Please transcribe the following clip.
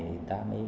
người ta mới